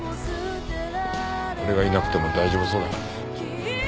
俺がいなくても大丈夫そうだな。